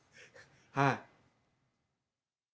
はい。